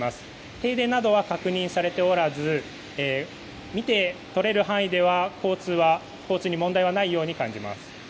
停電などは確認されておらず見てとれる範囲では交通に問題はないように感じます。